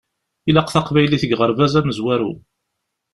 Ilaq taqbaylit deg uɣerbaz amezwaru.